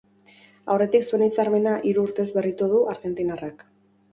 Aurretik zuen hitzarmena hiru urtez berritu du argentinarrak.